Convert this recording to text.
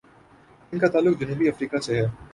ان کا تعلق جنوبی افریقہ سے ہے۔